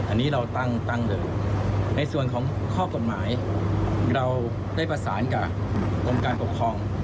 อันนี้เราตั้งเลยในส่วนของข้อกฎหมายเราได้ประสานกับกรมการปกครอง